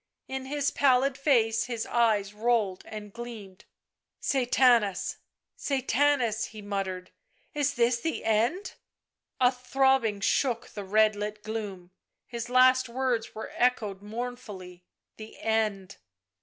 In his pallid face his eyes rolled and gleamed. " Sathanas, Sathanas," he muttered, " is this the end ?" A throbbing shook the red lit gloom, his last words were echoed mournfully :" The end."